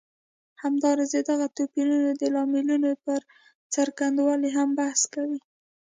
همداراز د دغو توپیرونو د لاملونو پر څرنګوالي هم بحث کوي.